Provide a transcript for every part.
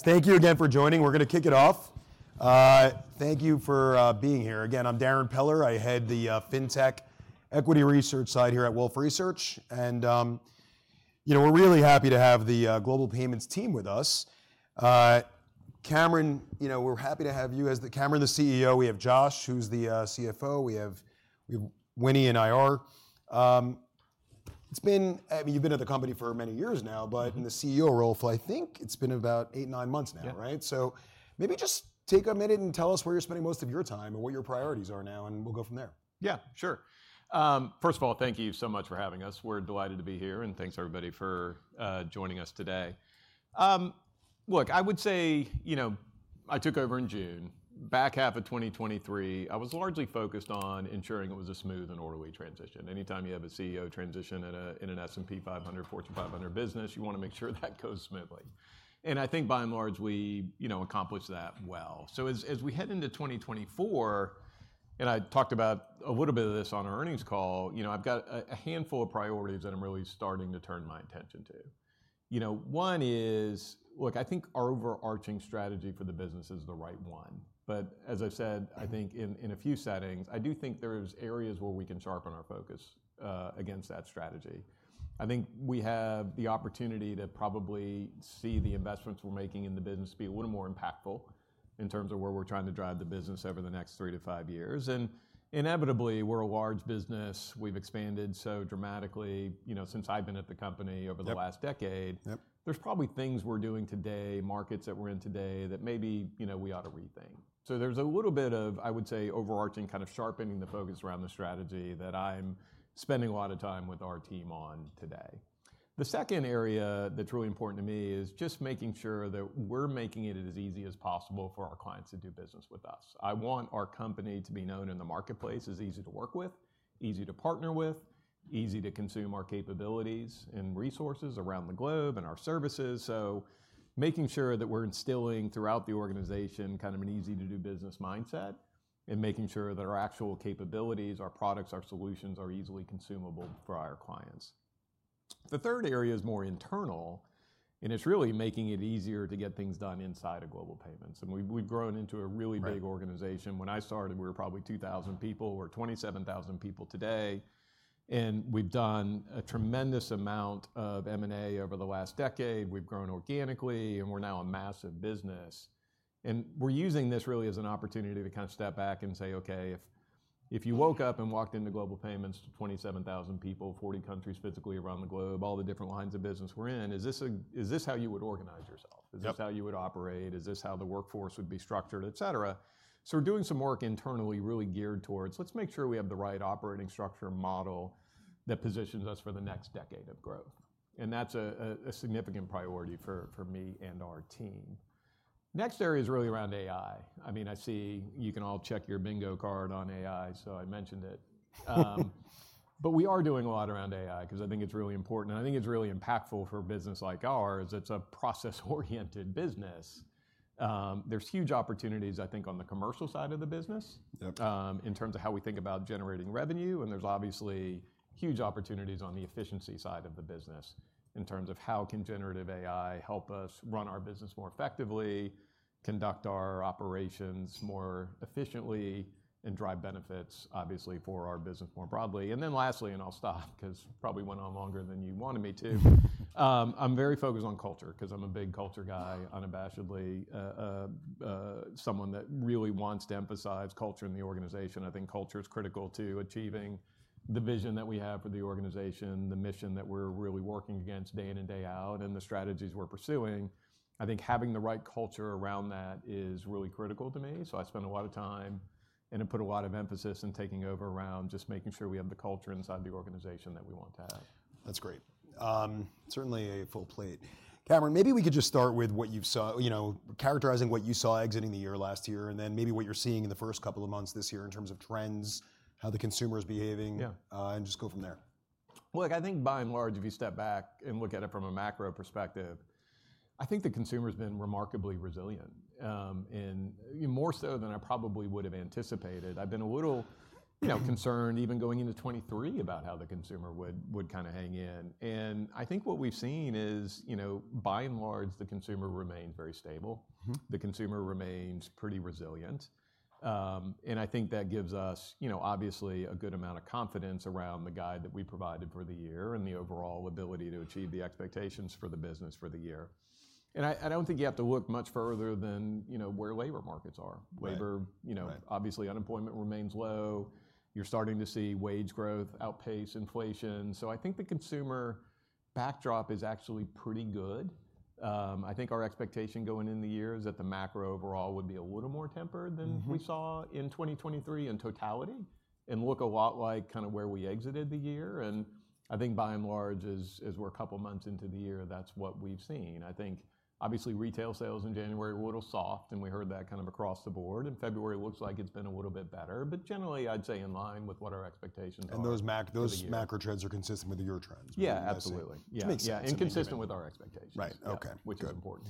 Thank you again for joining. We're gonna kick it off. Thank you for being here. Again, I'm Darrin Peller. I head the fintech equity research side here at Wolfe Research, and, you know, we're really happy to have the Global Payments team with us. Cameron, you know, we're happy to have you as Cameron, the CEO. We have Josh, who's the CFO. We have Winnie in IR. It's been, I mean, you've been at the company for many years now. Mm-hmm. but in the CEO role for I think it's been about eight, nine months now. Yeah. Right? So maybe just take a minute and tell us where you're spending most of your time or what your priorities are now, and we'll go from there. Yeah, sure. First of all, thank you so much for having us. We're delighted to be here, and thanks, everybody, for joining us today. Look, I would say, you know, I took over in June. Back half of 2023, I was largely focused on ensuring it was a smooth and orderly transition. Anytime you have a CEO transition in an S&P 500, Fortune 500 business, you wanna make sure that goes smoothly. And I think by and large, we, you know, accomplished that well. So as we head into 2024, and I talked about a little bit of this on our earnings call, you know, I've got a handful of priorities that I'm really starting to turn my attention to. You know, one is... Look, I think our overarching strategy for the business is the right one, but as I've said, I think in a few settings, I do think there's areas where we can sharpen our focus against that strategy. I think we have the opportunity to probably see the investments we're making in the business be a little more impactful in terms of where we're trying to drive the business over the next three to five years. And inevitably, we're a large business, we've expanded so dramatically, you know, since I've been at the company over the- Yep... last decade. Yep. There's probably things we're doing today, markets that we're in today, that maybe, you know, we ought to rethink. So there's a little bit of, I would say, overarching, kind of sharpening the focus around the strategy that I'm spending a lot of time with our team on today. The second area that's really important to me is just making sure that we're making it as easy as possible for our clients to do business with us. I want our company to be known in the marketplace as easy to work with, easy to partner with, easy to consume our capabilities and resources around the globe, and our services. So making sure that we're instilling throughout the organization kind of an easy-to-do business mindset, and making sure that our actual capabilities, our products, our solutions, are easily consumable for our clients. The third area is more internal, and it's really making it easier to get things done inside of Global Payments, and we've grown into a really big- Right... organization. When I started, we were probably 2,000 people, we're 27,000 people today, and we've done a tremendous amount of M&A over the last decade. We've grown organically, and we're now a massive business, and we're using this really as an opportunity to kind of step back and say, "Okay, if you woke up and walked into Global Payments, 27,000 people, 40 countries physically around the globe, all the different lines of business we're in, is this how you would organize yourself? Yep. Is this how you would operate? Is this how the workforce would be structured," et cetera. So we're doing some work internally, really geared towards, "Let's make sure we have the right operating structure and model that positions us for the next decade of growth," and that's a significant priority for me and our team. Next area is really around AI. I mean, I see you can all check your bingo card on AI, so I mentioned it. But we are doing a lot around AI, 'cause I think it's really important, and I think it's really impactful for a business like ours. It's a process-oriented business. There's huge opportunities, I think, on the commercial side of the business- Yep... in terms of how we think about generating revenue, and there's obviously huge opportunities on the efficiency side of the business, in terms of how can generative AI help us run our business more effectively, conduct our operations more efficiently, and drive benefits, obviously, for our business more broadly? And then lastly, and I'll stop, 'cause probably went on longer than you wanted me to, I'm very focused on culture, 'cause I'm a big culture guy, unabashedly, someone that really wants to emphasize culture in the organization. I think culture is critical to achieving the vision that we have for the organization, the mission that we're really working against day in and day out, and the strategies we're pursuing. I think having the right culture around that is really critical to me, so I spend a lot of time and have put a lot of emphasis in taking over around just making sure we have the culture inside the organization that we want to have. That's great. Certainly a full plate. Cameron, maybe we could just start with what you've saw, you know, characterizing what you saw exiting the year last year, and then maybe what you're seeing in the first couple of months this year in terms of trends, how the consumer is behaving? Yeah... and just go from there. Well, look, I think by and large, if you step back and look at it from a macro perspective, I think the consumer's been remarkably resilient, and more so than I probably would've anticipated. I've been a little, you know, concerned, even going into 2023, about how the consumer would kinda hang in, and I think what we've seen is, you know, by and large, the consumer remains very stable. Mm-hmm. The consumer remains pretty resilient. And I think that gives us, you know, obviously, a good amount of confidence around the guide that we provided for the year and the overall ability to achieve the expectations for the business for the year. And I don't think you have to look much further than, you know, where labor markets are. Right. Labor, you know- Right... obviously, unemployment remains low. You're starting to see wage growth outpace inflation, so I think the consumer backdrop is actually pretty good. I think our expectation going into the year is that the macro overall would be a little more tempered than- Mm-hmm... we saw in 2023 in totality, and look a lot like kind of where we exited the year. And I think by and large, as we're a couple of months into the year, that's what we've seen. I think obviously, retail sales in January were a little soft, and we heard that kind of across the board, and February looks like it's been a little bit better, but generally, I'd say in line with what our expectations are for the year. And those macro trends are consistent with your trends, right? Yeah, absolutely. I see. Yeah, yeah. It makes sense. And consistent with our expectations. Right, okay. Which is important.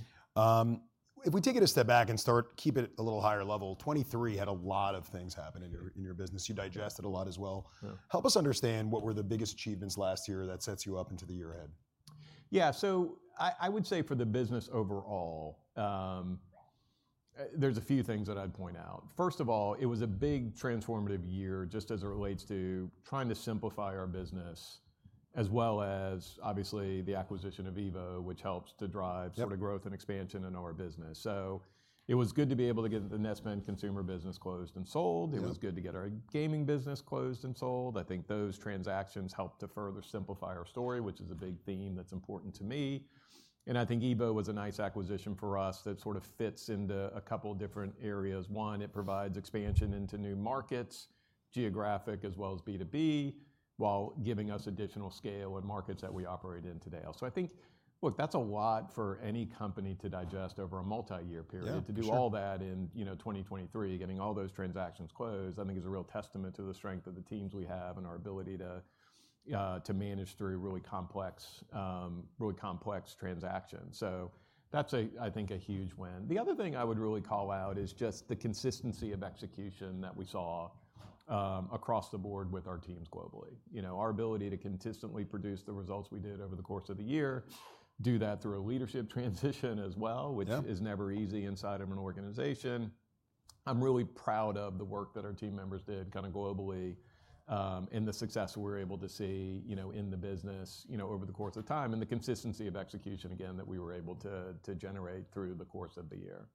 If we take it a step back and start, keep it at a little higher level, 2023 had a lot of things happen in your business. You digested a lot as well. Yeah. Help us understand what were the biggest achievements last year that sets you up into the year ahead? Yeah, so I would say for the business overall, there's a few things that I'd point out. First of all, it was a big transformative year, just as it relates to trying to simplify our business, as well as obviously the acquisition of EVO, which helps to drive- Yep -sort of growth and expansion in our business. So it was good to be able to get the Netspend consumer business closed and sold. Yeah. It was good to get our gaming business closed and sold. I think those transactions helped to further simplify our story, which is a big theme that's important to me. And I think EVO was a nice acquisition for us that sort of fits into a couple different areas. One, it provides expansion into new markets, geographic as well as B2B, while giving us additional scale in markets that we operate in today. So I think, look, that's a lot for any company to digest over a multi-year period. Yeah, for sure. To do all that in, you know, 2023, getting all those transactions closed, I think is a real testament to the strength of the teams we have and our ability to manage through really complex transactions. So that's a, I think, a huge win. The other thing I would really call out is just the consistency of execution that we saw across the board with our teams globally. You know, our ability to consistently produce the results we did over the course of the year, do that through a leadership transition as well- Yeah... which is never easy inside of an organization. I'm really proud of the work that our team members did kind of globally, and the success we were able to see, you know, in the business, you know, over the course of time, and the consistency of execution, again, that we were able to generate through the course of the year.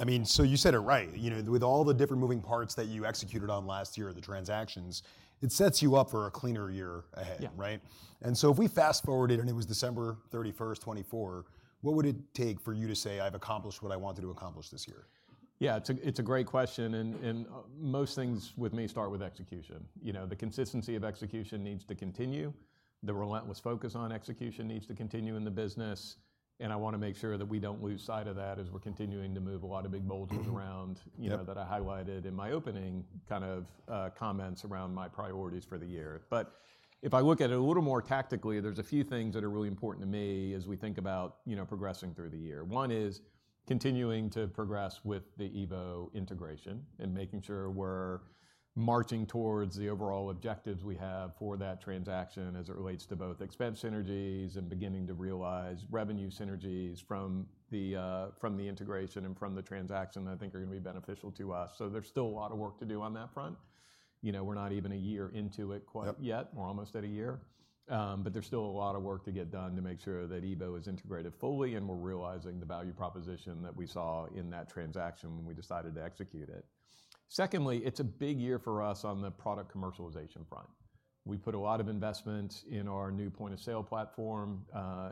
I mean, so you said it right. You know, with all the different moving parts that you executed on last year, the transactions, it sets you up for a cleaner year ahead. Yeah. Right? And so if we fast-forwarded and it was December 31st, 2024, what would it take for you to say, "I've accomplished what I wanted to accomplish this year? Yeah, it's a great question, and most things with me start with execution. You know, the consistency of execution needs to continue. The relentless focus on execution needs to continue in the business, and I wanna make sure that we don't lose sight of that as we're continuing to move a lot of big boulders around- Yep... you know, that I highlighted in my opening kind of comments around my priorities for the year. But if I look at it a little more tactically, there's a few things that are really important to me as we think about, you know, progressing through the year. One is continuing to progress with the EVO integration and making sure we're marching towards the overall objectives we have for that transaction as it relates to both expense synergies and beginning to realize revenue synergies from the integration and from the transaction that I think are gonna be beneficial to us. So there's still a lot of work to do on that front. You know, we're not even a year into it quite yet. Yep. We're almost at a year. But there's still a lot of work to get done to make sure that EVO is integrated fully and we're realizing the value proposition that we saw in that transaction when we decided to execute it. Secondly, it's a big year for us on the product commercialization front. We put a lot of investment in our new point-of-sale platform,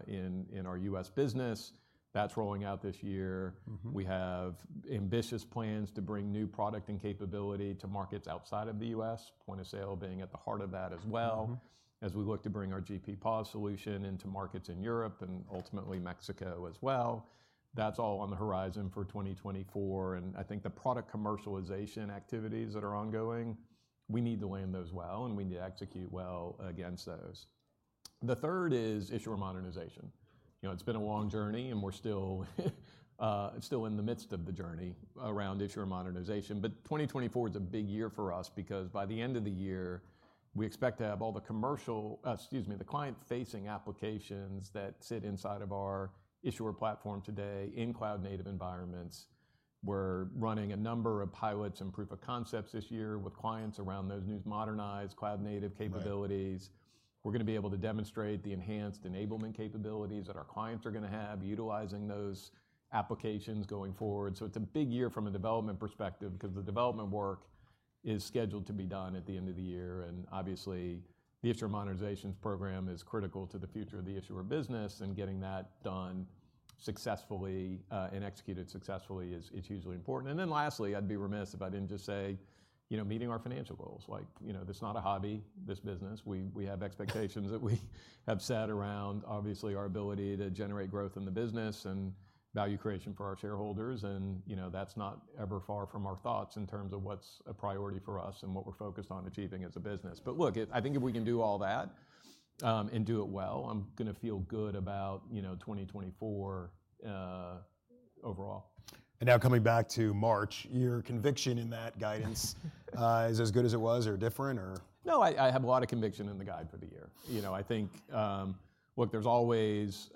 in our U.S. business. That's rolling out this year. Mm-hmm. We have ambitious plans to bring new product and capability to markets outside of the U.S., point-of-sale being at the heart of that as well. Mm-hmm. As we look to bring our GP POS solution into markets in Europe and ultimately Mexico as well, that's all on the horizon for 2024, and I think the product commercialization activities that are ongoing, we need to land those well, and we need to execute well against those. The third is issuer modernization. You know, it's been a long journey, and we're still, still in the midst of the journey around issuer modernization. But 2024 is a big year for us because by the end of the year, we expect to have all the commercial-- excuse me, the client-facing applications that sit inside of our issuer platform today in cloud-native environments. We're running a number of pilots and proof of concepts this year with clients around those new modernized cloud-native capabilities. Right. We're gonna be able to demonstrate the enhanced enablement capabilities that our clients are gonna have, utilizing those applications going forward. So it's a big year from a development perspective because the development work is scheduled to be done at the end of the year, and obviously the issuer modernization program is critical to the future of the issuer business, and getting that done successfully and executed successfully is it's hugely important. And then lastly, I'd be remiss if I didn't just say, you know, meeting our financial goals. Like, you know, this is not a hobby, this business. We have expectations that we have set around obviously our ability to generate growth in the business and value creation for our shareholders, and, you know, that's not ever far from our thoughts in terms of what's a priority for us and what we're focused on achieving as a business. But look, I think if we can do all that and do it well, I'm gonna feel good about, you know, 2024 overall. Now coming back to March, your conviction in that guidance is as good as it was or different or? No, I, I have a lot of conviction in the guide for the year. You know, I think... Look, there's always,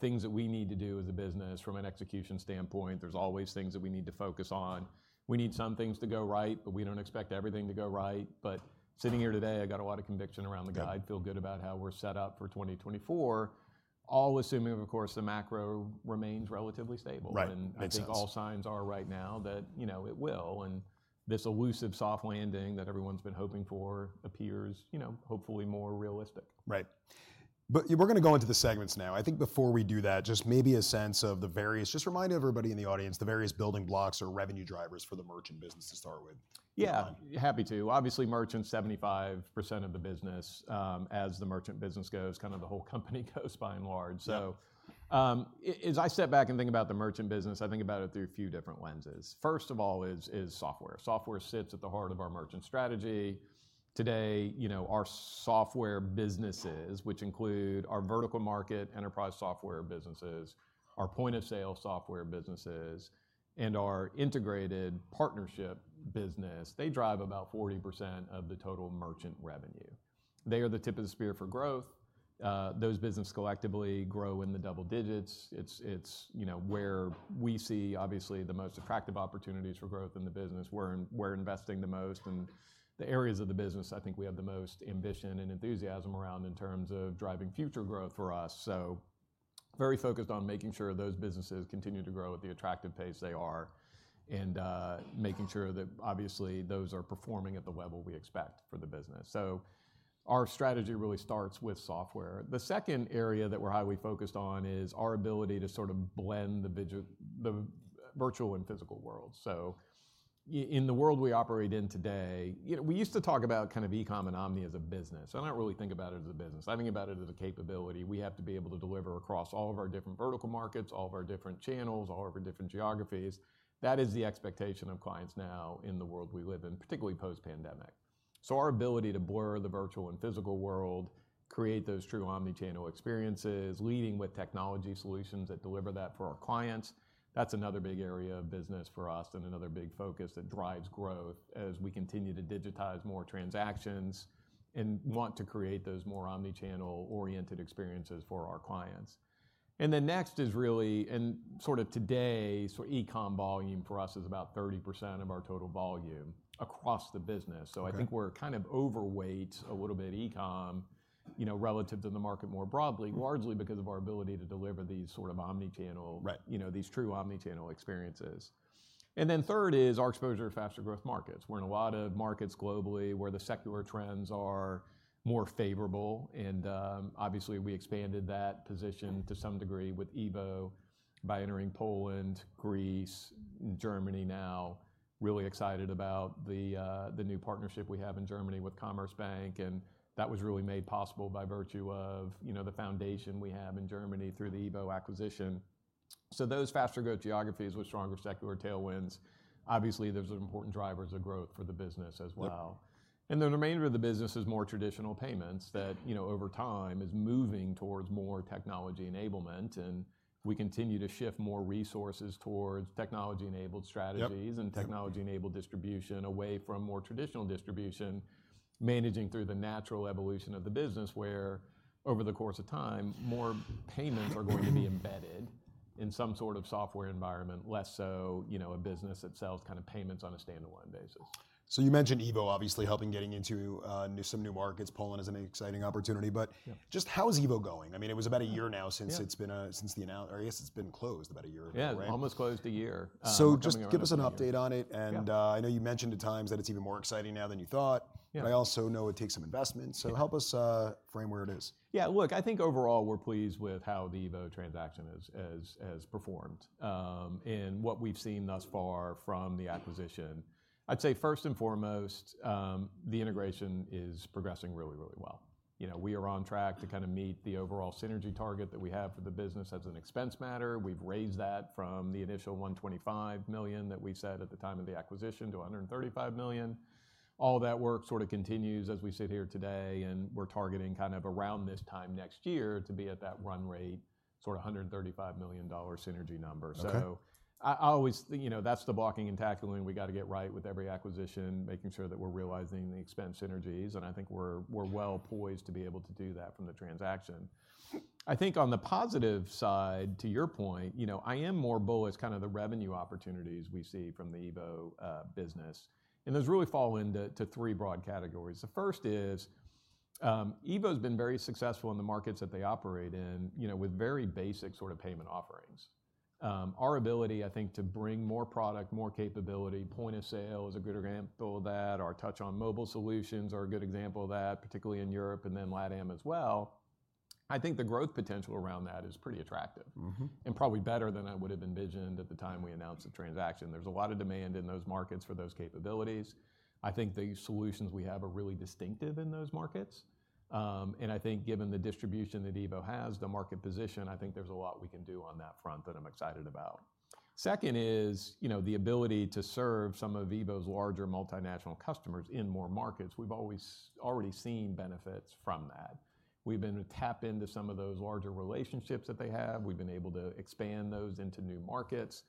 things that we need to do as a business from an execution standpoint. There's always things that we need to focus on. We need some things to go right, but we don't expect everything to go right. But sitting here today, I got a lot of conviction around the guide. Yeah. Feel good about how we're set up for 2024, all assuming, of course, the macro remains relatively stable. Right. Makes sense. I think all signs are right now that, you know, it will, and this elusive soft landing that everyone's been hoping for appears, you know, hopefully more realistic. Right. But we're gonna go into the segments now. I think before we do that, just maybe a sense of the various—just remind everybody in the audience, the various building blocks or revenue drivers for the merchant business to start with. Yeah. Fine. Happy to. Obviously, merchant, 75% of the business. As the merchant business goes, kind of the whole company goes by and large. Yeah. So, as I step back and think about the merchant business, I think about it through a few different lenses. First of all, software. Software sits at the heart of our merchant strategy. Today, you know, our software businesses, which include our vertical market, enterprise software businesses, our point-of-sale software businesses, and our integrated partnership business, they drive about 40% of the total merchant revenue. They are the tip of the spear for growth. Those businesses collectively grow in the double digits. It's, you know, where we see, obviously, the most attractive opportunities for growth in the business, where we're investing the most, and the areas of the business I think we have the most ambition and enthusiasm around in terms of driving future growth for us. So very focused on making sure those businesses continue to grow at the attractive pace they are, and making sure that obviously, those are performing at the level we expect for the business. So our strategy really starts with software. The second area that we're highly focused on is our ability to sort of blend the virtual and physical world. So in the world we operate in today, you know, we used to talk about kind of e-com and omni as a business. I don't really think about it as a business. I think about it as a capability we have to be able to deliver across all of our different vertical markets, all of our different channels, all of our different geographies. That is the expectation of clients now in the world we live in, particularly post-pandemic. Our ability to blur the virtual and physical world, create those true omni-channel experiences, leading with technology solutions that deliver that for our clients, that's another big area of business for us and another big focus that drives growth as we continue to digitize more transactions, and want to create those more omni-channel-oriented experiences for our clients. Then next is really, and sort of today, so e-com volume for us is about 30% of our total volume across the business. Okay. I think we're kind of overweight a little bit e-com, you know, relative to the market more broadly. Mm-hmm. largely because of our ability to deliver these sort of omni-channel- Right... you know, these true omni-channel experiences. And then third is our exposure to faster growth markets. We're in a lot of markets globally, where the secular trends are more favorable, and, obviously, we expanded that position to some degree with EVO by entering Poland, Greece, Germany now. Really excited about the new partnership we have in Germany with Commerzbank, and that was really made possible by virtue of, you know, the foundation we have in Germany through the EVO acquisition. So those faster growth geographies with stronger secular tailwinds, obviously, those are important drivers of growth for the business as well. Yep. The remainder of the business is more traditional payments that, you know, over time, is moving towards more technology enablement, and we continue to shift more resources towards technology-enabled strategies- Yep... and technology-enabled distribution, away from more traditional distribution, managing through the natural evolution of the business, where over the course of time, more payments are going to be embedded in some sort of software environment, less so, you know, a business that sells kind of payments on a standalone basis. So you mentioned EVO obviously helping getting into new, some new markets. Poland is an exciting opportunity. But- Yep... just how is EVO going? I mean, it was about a year now since- Yeah... it's been since the announcement, or I guess it's been closed about a year ago, right? Yeah, almost closed a year, coming on almost a year. Just give us an update on it. Yeah. I know you mentioned at times that it's even more exciting now than you thought. Yeah. But I also know it takes some investment. Yeah. So, help us frame where it is. Yeah, look, I think overall we're pleased with how the EVO transaction has performed, and what we've seen thus far from the acquisition. I'd say, first and foremost, the integration is progressing really, really well. You know, we are on track to kind of meet the overall synergy target that we have for the business as an expense matter. We've raised that from the initial $125 million that we said at the time of the acquisition to $135 million. All that work sort of continues as we sit here today, and we're targeting kind of around this time next year to be at that run rate, sort of $135 million dollar synergy number. Okay. So I always you know, that's the blocking and tackling we've got to get right with every acquisition, making sure that we're realizing the expense synergies, and I think we're well poised to be able to do that from the transaction. I think on the positive side, to your point, you know, I am more bullish kind of the revenue opportunities we see from the EVO business, and those really fall into three broad categories. The first is, EVO's been very successful in the markets that they operate in, you know, with very basic sort of payment offerings. Our ability, I think, to bring more product, more capability, point of sale is a good example of that. Our touch on mobile solutions are a good example of that, particularly in Europe and then LATAM as well. I think the growth potential around that is pretty attractive- Mm-hmm... and probably better than I would've envisioned at the time we announced the transaction. There's a lot of demand in those markets for those capabilities. I think the solutions we have are really distinctive in those markets, and I think given the distribution that EVO has, the market position, I think there's a lot we can do on that front that I'm excited about. Second is, you know, the ability to serve some of EVO's larger multinational customers in more markets. We've always already seen benefits from that. We've been to tap into some of those larger relationships that they have. We've been able to expand those into new markets.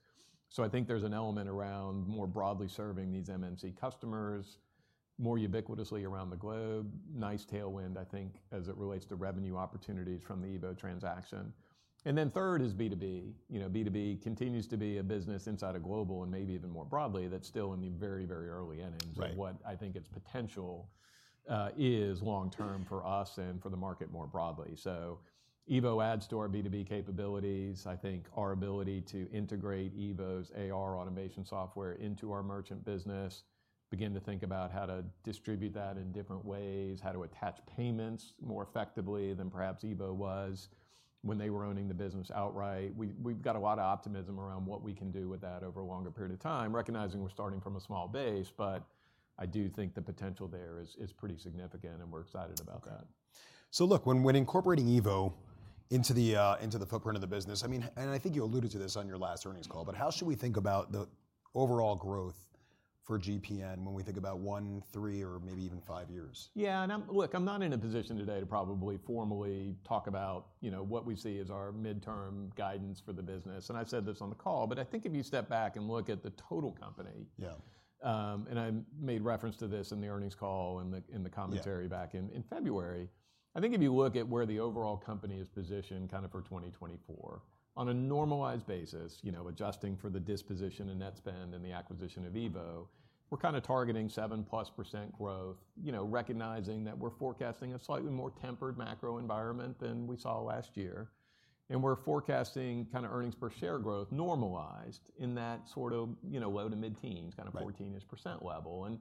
So I think there's an element around more broadly serving these MNC customers, more ubiquitously around the globe. Nice tailwind, I think, as it relates to revenue opportunities from the EVO transaction. And then third is B2B. You know, B2B continues to be a business inside of Global and maybe even more broadly, that's still in the very, very early innings- Right... of what I think its potential is long-term for us and for the market more broadly. So EVO adds to our B2B capabilities. I think our ability to integrate EVO's AR automation software into our merchant business, begin to think about how to distribute that in different ways, how to attach payments more effectively than perhaps EVO was when they were owning the business outright. We've got a lot of optimism around what we can do with that over a longer period of time, recognizing we're starting from a small base, but I do think the potential there is pretty significant, and we're excited about that. Okay. So look, when incorporating EVO into the footprint of the business, I mean, and I think you alluded to this on your last earnings call, but how should we think about the overall growth for GPN when we think about 1, 3, or maybe even 5 years? Yeah, and I'm, look, I'm not in a position today to probably formally talk about, you know, what we see as our midterm guidance for the business, and I said this on the call. But I think if you step back and look at the total company- Yeah. I made reference to this in the earnings call, in the commentary- Yeah... back in February. I think if you look at where the overall company is positioned kind of for 2024, on a normalized basis, you know, adjusting for the disposition in Netspend and the acquisition of EVO, we're kinda targeting 7%+ growth, you know, recognizing that we're forecasting a slightly more tempered macro environment than we saw last year. And we're forecasting kinda earnings per share growth normalized in that sort of, you know, low- to mid-teens- Right... kind of 14%-ish level, and,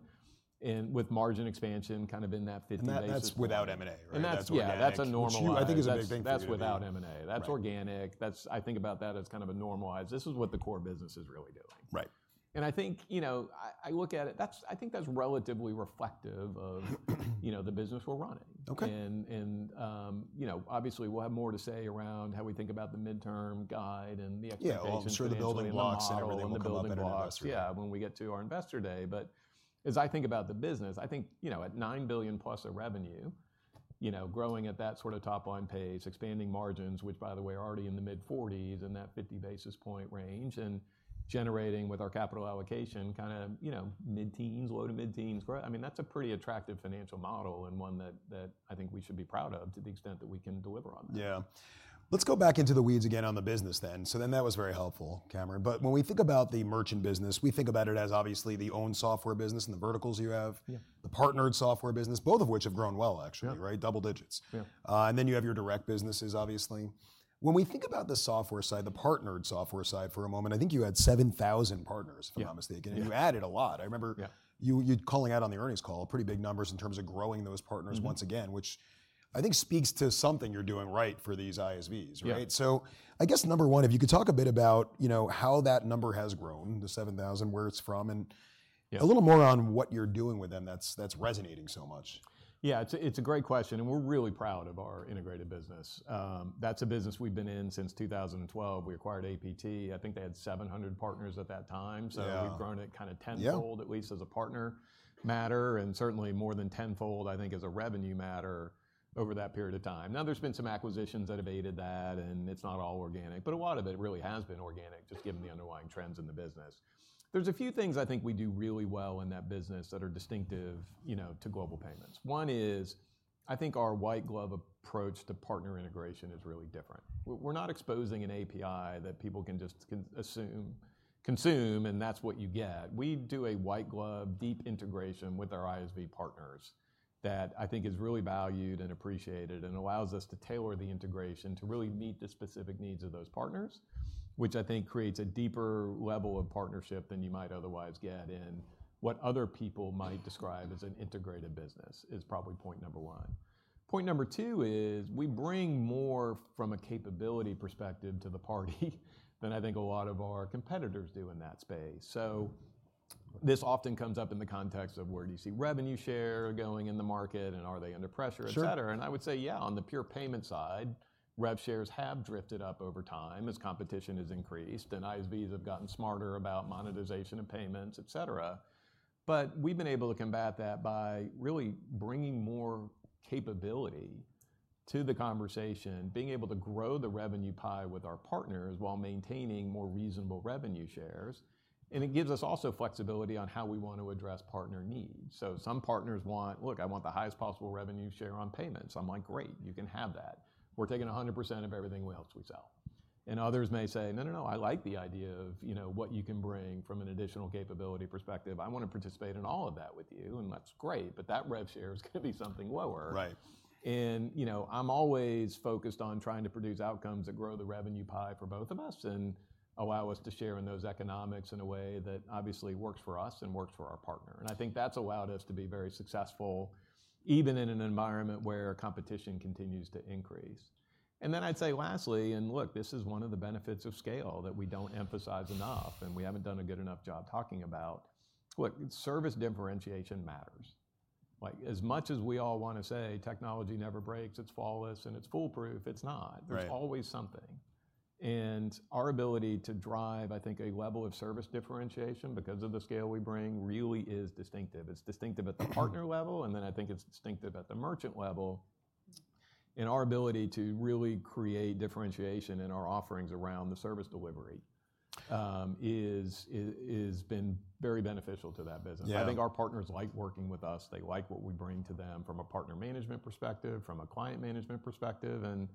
and with margin expansion kind of in that 50 basis- That, that's without M&A, right? And that's- That's organic. Yeah, that's a normalized- Which I think is a big thing for you. That's without M&A. Right. That's organic. That's... I think about that as kind of a normalized, "This is what the core business is really doing. Right. I think, you know, I look at it. That's... I think that's relatively reflective of... you know, the business we're running. Okay. You know, obviously we'll have more to say around how we think about the midterm guide and the expectation- Yeah, well, I'm sure the building blocks- Financial model... and everything will come up in our Investor Day. The building blocks, yeah, when we get to our Investor Day. But as I think about the business, I think, you know, at $9 billion+ of revenue, you know, growing at that sort of top-line pace, expanding margins, which by the way are already in the mid-40s in that 50 basis point range, and generating with our capital allocation, kinda, you know, mid-teens, low- to mid-teens growth. I mean, that's a pretty attractive financial model, and one that, that I think we should be proud of to the extent that we can deliver on that. Yeah. Let's go back into the weeds again on the business then. So then that was very helpful, Cameron. But when we think about the merchant business, we think about it as obviously the own software business and the verticals you have. Yeah. The partnered software business, both of which have grown well, actually. Yeah... right? Double digits. Yeah. And then you have your direct businesses, obviously. When we think about the software side, the partnered software side for a moment, I think you had 7,000 partners, if I'm not mistaken. Yeah. And you added a lot. I remember- Yeah... you calling out on the earnings call, pretty big numbers in terms of growing those partners- Mm-hmm... once again, which I think speaks to something you're doing right for these ISVs, right? Yeah. I guess number one, if you could talk a bit about, you know, how that number has grown, the 7,000, where it's from, and- Yeah... a little more on what you're doing with them that's, that's resonating so much. Yeah, it's a great question, and we're really proud of our integrated business. That's a business we've been in since 2012. We acquired APT. I think they had 700 partners at that time. Yeah. So we've grown it kind of tenfold- Yeah... at least as a partner matter, and certainly more than tenfold, I think, as a revenue matter over that period of time. Now, there's been some acquisitions that have aided that, and it's not all organic, but a lot of it really has been organic, just given the underlying trends in the business. There's a few things I think we do really well in that business that are distinctive, you know, to Global Payments. One is, I think our white glove approach to partner integration is really different. We're not exposing an API that people can just consume, and that's what you get. We do a white glove, deep integration with our ISV partners that I think is really valued and appreciated, and allows us to tailor the integration to really meet the specific needs of those partners, which I think creates a deeper level of partnership than you might otherwise get, and what other people might describe as an integrated business, is probably point number one. Point number two is, we bring more from a capability perspective to the party than I think a lot of our competitors do in that space. So this often comes up in the context of, where do you see revenue share going in the market, and are they under pressure, et cetera? Sure. And I would say, yeah, on the pure payment side, rev shares have drifted up over time as competition has increased and ISVs have gotten smarter about monetization of payments, et cetera. But we've been able to combat that by really bringing more capability to the conversation, being able to grow the revenue pie with our partners while maintaining more reasonable revenue shares, and it gives us also flexibility on how we want to address partner needs. So some partners want, "Look, I want the highest possible revenue share on payments." I'm like, "Great, you can have that. We're taking 100% of everything else we sell." And others may say, "No, no, no, I like the idea of, you know, what you can bring from an additional capability perspective. I wanna participate in all of that with you," and that's great, but that rev share is gonna be something lower. Right. And, you know, I'm always focused on trying to produce outcomes that grow the revenue pie for both of us, and allow us to share in those economics in a way that obviously works for us and works for our partner, and I think that's allowed us to be very successful, even in an environment where competition continues to increase. And then I'd say, lastly, and look, this is one of the benefits of scale that we don't emphasize enough, and we haven't done a good enough job talking about. Look, service differentiation matters. Like, as much as we all wanna say, "Technology never breaks, it's flawless, and it's foolproof," it's not. Right. There's always something, and our ability to drive, I think, a level of service differentiation because of the scale we bring, really is distinctive. It's distinctive at the partner level, and then I think it's distinctive at the merchant level, and our ability to really create differentiation in our offerings around the service delivery, has been very beneficial to that business. Yeah. I think our partners like working with us. They like what we bring to them from a partner management perspective, from a client management perspective, and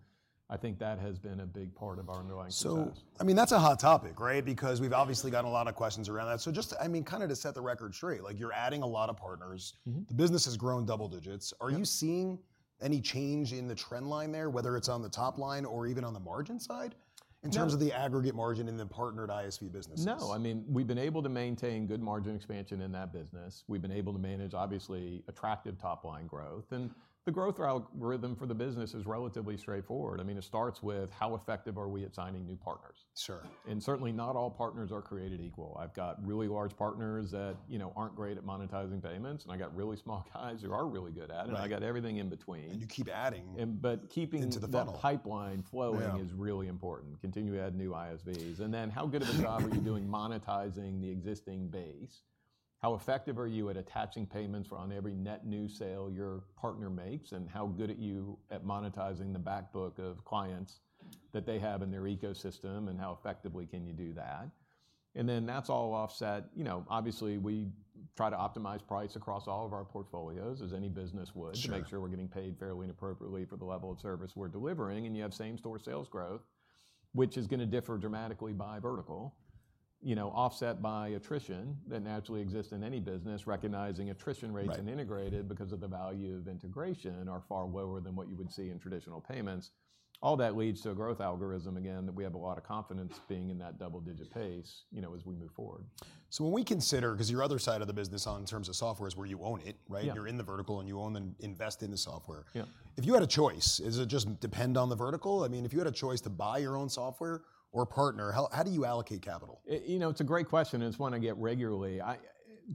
I think that has been a big part of our underlying success. So, I mean, that's a hot topic, right? Because we've obviously gotten a lot of questions around that. So just, I mean, kind of to set the record straight, like, you're adding a lot of partners. Mm-hmm. The business has grown double digits. Yeah. Are you seeing any change in the trend line there, whether it's on the top line or even on the margin side? No. In terms of the aggregate margin in the partnered ISV businesses. No. I mean, we've been able to maintain good margin expansion in that business. We've been able to manage, obviously, attractive top-line growth, and the growth algorithm for the business is relatively straightforward. I mean, it starts with, how effective are we at signing new partners? Sure. Certainly, not all partners are created equal. I've got really large partners that, you know, aren't great at monetizing payments, and I got really small guys who are really good at it. Right. And I got everything in between. And you keep adding- But keeping-... into the funnel... that pipeline flowing- Yeah... is really important. Continue to add new ISVs. And then how good of a job are you doing monetizing the existing base?... How effective are you at attaching payments for on every net new sale your partner makes? And how good are you at monetizing the back book of clients that they have in their ecosystem, and how effectively can you do that? And then that's all offset, you know, obviously, we try to optimize price across all of our portfolios, as any business would- Sure. To make sure we're getting paid fairly and appropriately for the level of service we're delivering. And you have same-store sales growth, which is gonna differ dramatically by vertical, you know, offset by attrition that naturally exists in any business, recognizing attrition rates. Right. and integrated because of the value of integration are far lower than what you would see in traditional payments. All that leads to a growth algorithm, again, that we have a lot of confidence being in that double-digit pace, you know, as we move forward. When we consider, 'cause your other side of the business on terms of software is where you own it, right? Yeah. You're in the vertical, and you own and invest in the software. Yeah. If you had a choice, does it just depend on the vertical? I mean, if you had a choice to buy your own software or partner, how, how do you allocate capital? You know, it's a great question, and it's one I get regularly. I,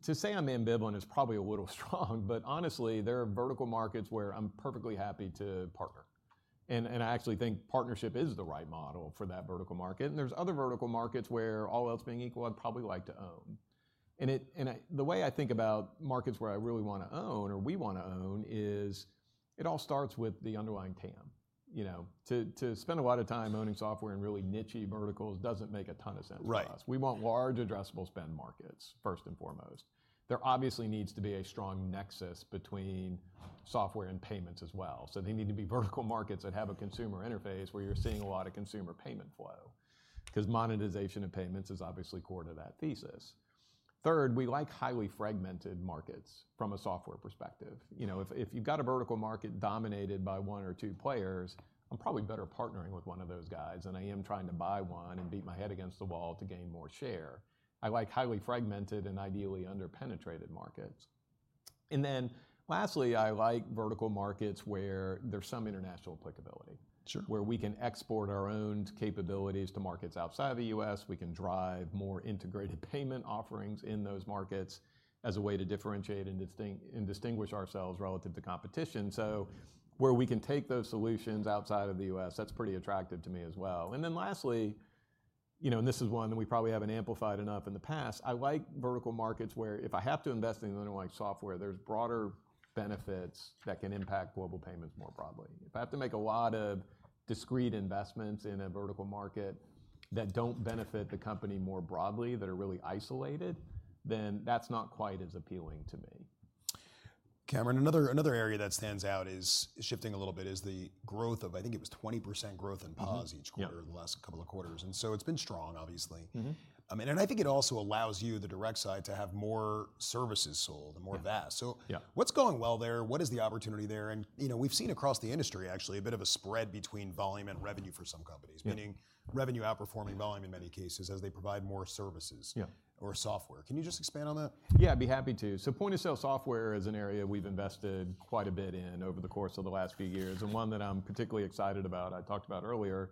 to say I'm ambivalent is probably a little strong but honestly, there are vertical markets where I'm perfectly happy to partner, and I actually think partnership is the right model for that vertical market. And there's other vertical markets where, all else being equal, I'd probably like to own. And the way I think about markets where I really wanna own, or we wanna own, is it all starts with the underlying TAM. You know, to spend a lot of time owning software in really niche-y verticals doesn't make a ton of sense to us. Right. We want large addressable spend markets, first and foremost. There obviously needs to be a strong nexus between software and payments as well, so they need to be vertical markets that have a consumer interface, where you're seeing a lot of consumer payment flow. 'Cause monetization and payments is obviously core to that thesis. Third, we like highly fragmented markets from a software perspective. You know, if you've got a vertical market dominated by one or two players, I'm probably better partnering with one of those guys than I am trying to buy one and beat my head against the wall to gain more share. I like highly fragmented and ideally under-penetrated markets. And then lastly, I like vertical markets where there's some international applicability. Sure ... where we can export our own capabilities to markets outside the US. We can drive more integrated payment offerings in those markets as a way to differentiate and distinguish ourselves relative to competition. So where we can take those solutions outside of the US, that's pretty attractive to me as well. And then lastly, you know, and this is one that we probably haven't amplified enough in the past, I like vertical markets where if I have to invest in underlying software, there's broader benefits that can impact Global Payments more broadly. If I have to make a lot of discrete investments in a vertical market that don't benefit the company more broadly, that are really isolated, then that's not quite as appealing to me. Cameron, another area that stands out is, shifting a little bit, is the growth of, I think it was 20% growth in POS- Mm-hmm. Yeah... each quarter in the last couple of quarters, and so it's been strong, obviously. Mm-hmm. I mean, and I think it also allows you, the direct side, to have more services sold- Yeah... and more vast. Yeah. So what's going well there? What is the opportunity there? And, you know, we've seen across the industry, actually, a bit of a spread between volume and revenue for some companies- Yeah... meaning revenue outperforming volume in many cases, as they provide more services- Yeah... or software. Can you just expand on that? Yeah, I'd be happy to. So point-of-sale software is an area we've invested quite a bit in over the course of the last few years, and one that I'm particularly excited about. I talked about earlier,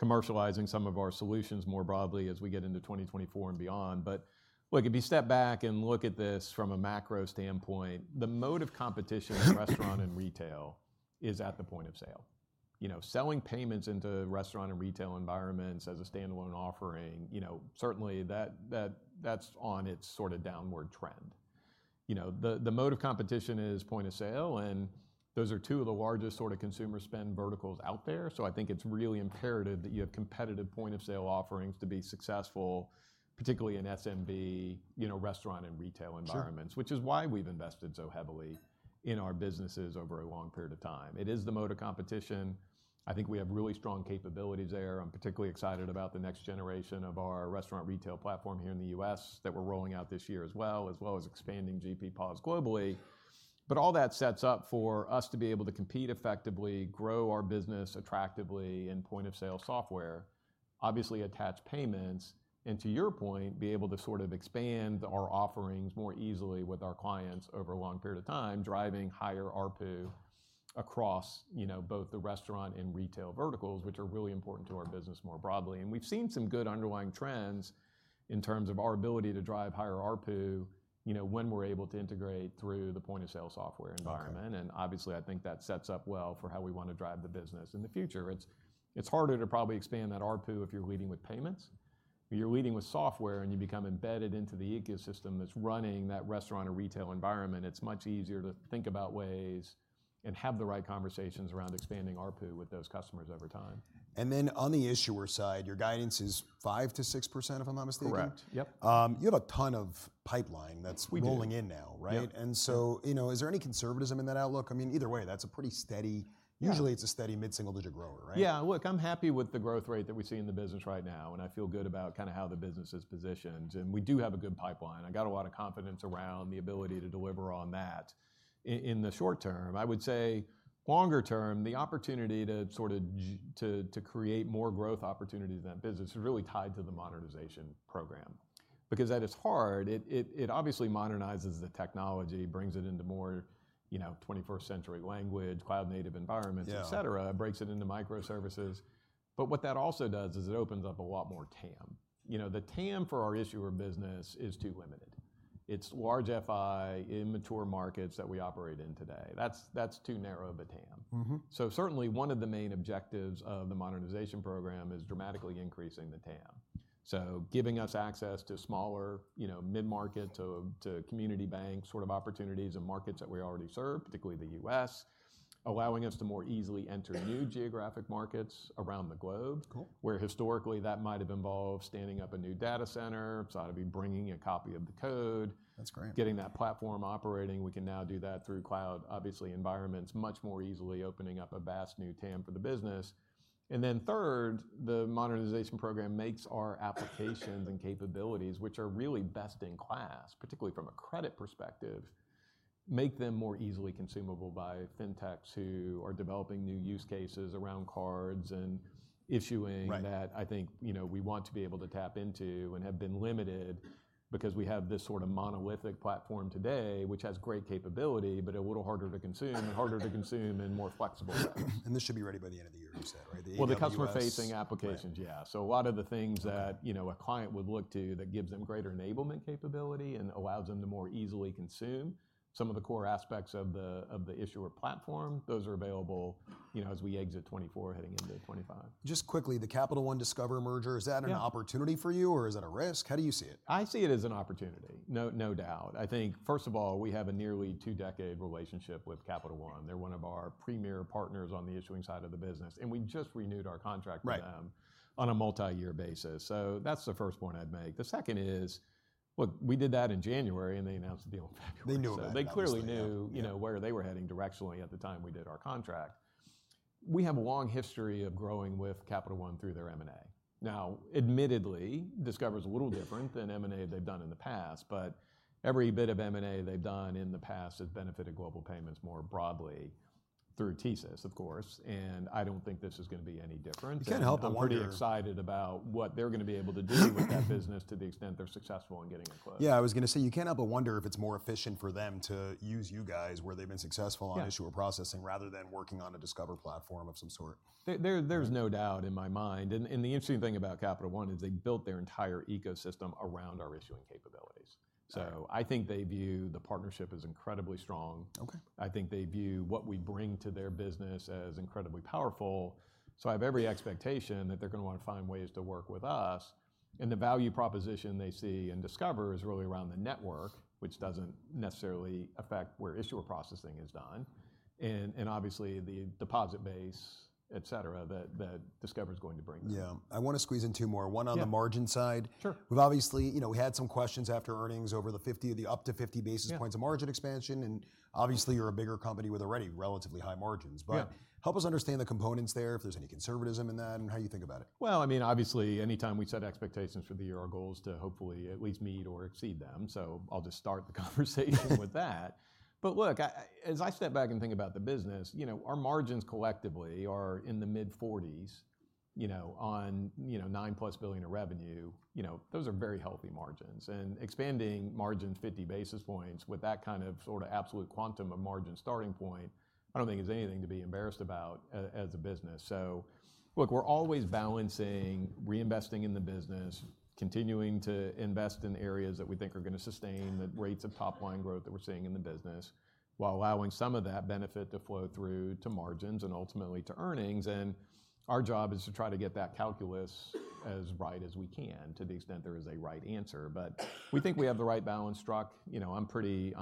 commercializing some of our solutions more broadly as we get into 2024 and beyond. But look, if you step back and look at this from a macro standpoint, the mode of competition in restaurant and retail is at the point of sale. You know, selling payments into restaurant and retail environments as a standalone offering, you know, certainly that that's on its sort of downward trend. You know, the mode of competition is point of sale, and those are two of the largest sort of consumer spend verticals out there, so I think it's really imperative that you have competitive point-of-sale offerings to be successful, particularly in SMB, you know, restaurant and retail environments. Sure... which is why we've invested so heavily in our businesses over a long period of time. It is the mode of competition. I think we have really strong capabilities there. I'm particularly excited about the next generation of our restaurant retail platform here in the U.S., that we're rolling out this year as well, as well as expanding GP POS globally. But all that sets up for us to be able to compete effectively, grow our business attractively in point-of-sale software, obviously attach payments, and to your point, be able to sort of expand our offerings more easily with our clients over a long period of time, driving higher ARPU across, you know, both the restaurant and retail verticals, which are really important to our business more broadly. We've seen some good underlying trends in terms of our ability to drive higher ARPU, you know, when we're able to integrate through the point-of-sale software environment. Okay. Obviously, I think that sets up well for how we want to drive the business in the future. It's, it's harder to probably expand that ARPU if you're leading with payments. But you're leading with software, and you become embedded into the ecosystem that's running that restaurant or retail environment, it's much easier to think about ways and have the right conversations around expanding ARPU with those customers over time. And then on the issuer side, your guidance is 5%-6%, if I'm not mistaken? Correct. Yep. You have a ton of pipeline that's- We do... rolling in now, right? Yep. And so, you know, is there any conservatism in that outlook? I mean, either way, that's a pretty steady- Yeah... usually it's a steady mid-single-digit grower, right? Yeah. Look, I'm happy with the growth rate that we see in the business right now, and I feel good about kinda how the business is positioned, and we do have a good pipeline. I got a lot of confidence around the ability to deliver on that in the short term. I would say, longer term, the opportunity to sort of to create more growth opportunities in that business is really tied to the modernization program. Because at its heart, it obviously modernizes the technology, brings it into more, you know, twenty-first century language, cloud-native environments- Yeah... et cetera, breaks it into microservices, but what that also does is it opens up a lot more TAM. You know, the TAM for our issuer business is too limited. It's large FI in mature markets that we operate in today. That's too narrow of a TAM. Mm-hmm. Certainly, one of the main objectives of the modernization program is dramatically increasing the TAM. So giving us access to smaller, you know, mid-market to community bank sort of opportunities and markets that we already serve, particularly the U.S., allowing us to more easily enter new geographic markets around the globe- Cool. where historically, that might have involved standing up a new data center, so that'd be bringing a copy of the code. That's great. Getting that platform operating, we can now do that through cloud. Obviously, environment's much more easily opening up a vast new TAM for the business. And then third, the modernization program makes our applications and capabilities, which are really best in class, particularly from a credit perspective, make them more easily consumable by fintechs who are developing new use cases around cards and issuing- Right. that I think, you know, we want to be able to tap into and have been limited because we have this sort of monolithic platform today, which has great capability, but a little harder to consume... harder to consume and more flexible. This should be ready by the end of the year, you said, right? The AWS- Well, the customer-facing applications. Right. Yeah. So a lot of the things that- Okay... you know, a client would look to that gives them greater enablement capability and allows them to more easily consume some of the core aspects of the issuer platform, those are available, you know, as we exit 2024, heading into 2025. Just quickly, the Capital One-Discover merger- Yeah. Is that an opportunity for you, or is it a risk? How do you see it? I see it as an opportunity, no, no doubt. I think, first of all, we have a nearly two-decade relationship with Capital One. They're one of our premier partners on the issuing side of the business, and we just renewed our contract with them- Right... on a multi-year basis, so that's the first point I'd make. The second is, look, we did that in January, and they announced the deal in February. They knew about it. They clearly knew, you know- Yeah... where they were heading directionally at the time we did our contract. We have a long history of growing with Capital One through their M&A. Now, admittedly, Discover's a little different than M&A they've done in the past, but every bit of M&A they've done in the past has benefited Global Payments more broadly through TSYS, of course, and I don't think this is gonna be any different. You can't help but wonder- I'm pretty excited about what they're gonna be able to do with that business, to the extent they're successful in getting it closed. Yeah, I was gonna say, you can't help but wonder if it's more efficient for them to use you guys, where they've been successful- Yeah... on issuer processing, rather than working on a Discover platform of some sort. There's no doubt in my mind, and the interesting thing about Capital One is, they built their entire ecosystem around our issuing capabilities. Right. I think they view the partnership as incredibly strong. Okay. I think they view what we bring to their business as incredibly powerful, so I have every expectation that they're gonna want to find ways to work with us. The value proposition they see in Discover is really around the network, which doesn't necessarily affect where issuer processing is done, and, and obviously, the deposit base, et cetera, that, that Discover's going to bring them. Yeah. I wanna squeeze in two more. Yeah. One, on the margin side. Sure. We've obviously... You know, we had some questions after earnings over the 50, the up to 50 basis- Yeah... points of margin expansion, and obviously, you're a bigger company with already relatively high margins, but- Yeah... help us understand the components there, if there's any conservatism in that, and how you think about it? Well, I mean, obviously, anytime we set expectations for the year, our goal is to hopefully at least meet or exceed them, so I'll just start the conversation with that. But look, I, as I step back and think about the business, you know, our margins collectively are in the mid-40s, you know, on, you know, $9+ billion of revenue. You know, those are very healthy margins, and expanding margins 50 basis points with that kind of sort of absolute quantum of margin starting point, I don't think is anything to be embarrassed about as a business. So look, we're always balancing, reinvesting in the business, continuing to invest in areas that we think are gonna sustain the rates of top-line growth that we're seeing in the business, while allowing some of that benefit to flow through to margins and ultimately to earnings. Our job is to try to get that calculus as right as we can, to the extent there is a right answer. We think we have the right balance struck. You know, I'm pretty...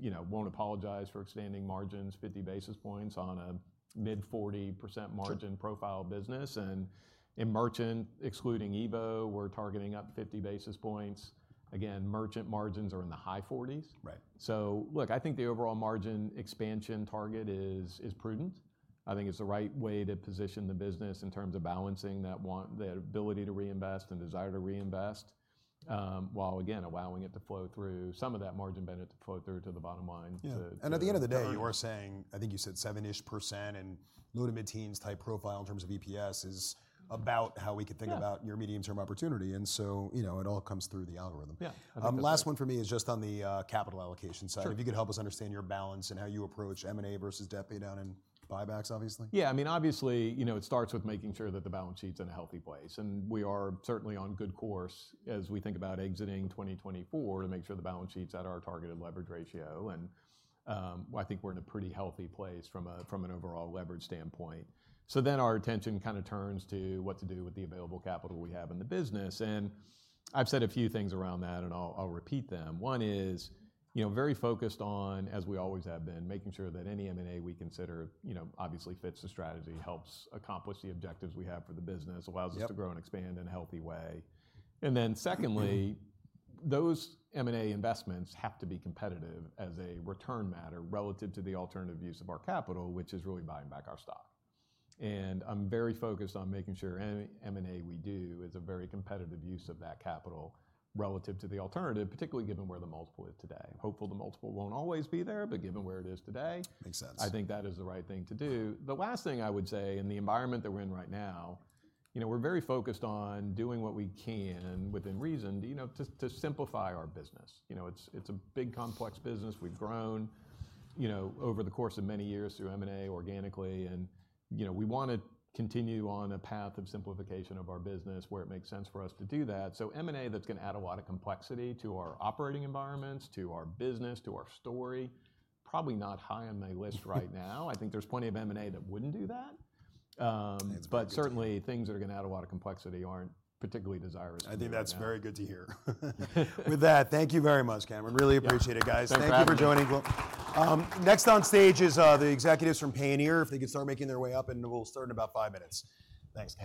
you know, won't apologize for extending margins 50 basis points on a mid-40% margin. Sure... profile business. In merchant, excluding EVO, we're targeting up 50 basis points. Again, merchant margins are in the high 40s. Right. So look, I think the overall margin expansion target is prudent. I think it's the right way to position the business in terms of balancing that want, the ability to reinvest and desire to reinvest, while again, allowing it to flow through, some of that margin benefit to flow through to the bottom line, to- Yeah, and at the end of the day-... the current... you are saying, I think you said 7-ish% and low-to-mid-teens type profile in terms of EPS, is about how we could think about- Yeah... your medium-term opportunity, and so, you know, it all comes through the algorithm. Yeah. Last one for me is just on the capital allocation side. Sure. If you could, help us understand your balance and how you approach M&A versus debt pay down and buybacks, obviously? Yeah, I mean, obviously, you know, it starts with making sure that the balance sheet's in a healthy place, and we are certainly on good course as we think about exiting 2024, to make sure the balance sheet's at our targeted leverage ratio. And, well, I think we're in a pretty healthy place from a, from an overall leverage standpoint. So then our attention kinda turns to what to do with the available capital we have in the business, and I've said a few things around that, and I'll, I'll repeat them. One is, you know, very focused on, as we always have been, making sure that any M&A we consider, you know, obviously fits the strategy, helps accomplish the objectives we have for the business- Yep... allows us to grow and expand in a healthy way. Then secondly, those M&A investments have to be competitive as a return matter relative to the alternative use of our capital, which is really buying back our stock. I'm very focused on making sure any M&A we do is a very competitive use of that capital relative to the alternative, particularly given where the multiple is today. Hopefully, the multiple won't always be there, but given where it is today- Makes sense... I think that is the right thing to do. The last thing I would say, in the environment that we're in right now, you know, we're very focused on doing what we can, within reason, you know, to, to simplify our business. You know, it's, it's a big, complex business. We've grown, you know, over the course of many years through M&A, organically, and, you know, we want to continue on a path of simplification of our business, where it makes sense for us to do that. So M&A, that's gonna add a lot of complexity to our operating environments, to our business, to our story, probably not high on my list right now. I think there's plenty of M&A that wouldn't do that. That's very good.... but certainly, things that are gonna add a lot of complexity aren't particularly desirable. I think that's very good to hear. With that, thank you very much, Cameron. Yeah. Really appreciate it, guys. Thanks for having me. Thank you for joining. Next on stage is the executives from Payoneer. If they could start making their way up, and we'll start in about five minutes. Thanks.